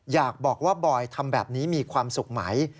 อยากบอกว่าบอยทำแบบนี้มีความสุขไหม